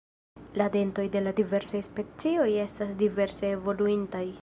La dentoj de la diversaj specioj estas diverse evoluintaj.